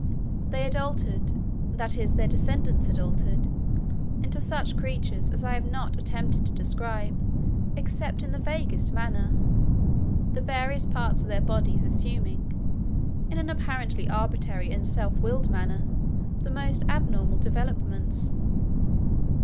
They had altered that is, their descendants had altered into such creatures as I have not attempted to describe except in the vaguest manner the various parts of their bodies assuming, in an apparently arbitrary and self willed manner, the most abnormal developments.